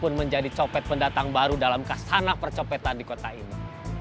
pun menjadi copet pendatang baru dalam kasana percopetan di kota ini